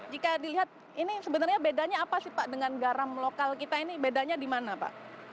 jika dilihat ini sebenarnya bedanya apa sih pak dengan garam lokal kita ini bedanya di mana pak